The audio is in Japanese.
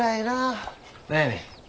何やねん。